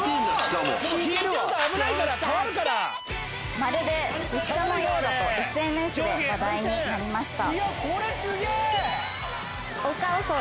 「まるで実写のようだ」とＳＮＳで話題になりました。